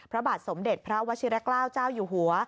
พระบาทสมเด็จพระวชิระเกล้าเจ้าอยู่หัว